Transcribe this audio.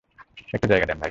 একটু জায়গা দেন, ভাই।